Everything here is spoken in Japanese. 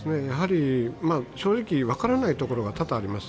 正直、分からないところが多々あります。